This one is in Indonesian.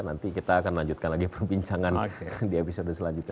nanti kita akan lanjutkan lagi perbincangan di episode selanjutnya